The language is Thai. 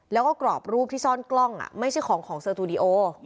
แล้วก็กรอบรูปที่ซ่อนกล้องไม่ใช่ของของสตูดิโอ